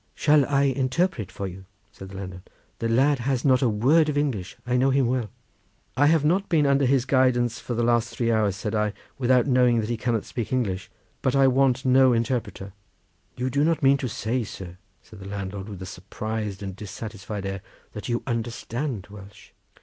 "Shall I interpret for you?" said the landlord; "the lad has not a word of English; I know him well." "I have not been under his guidance for the last three hours," said I, "without knowing that he cannot speak English; but I want no interpreter." "You do not mean to say, sir," said the landlord, with a surprised and dissatisfied air, "that you understand Welsh?"